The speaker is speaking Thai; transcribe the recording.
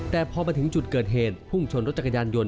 แต่พอมาถึงจุดเกิดเหตุพุ่งชนรถจักรยานยนต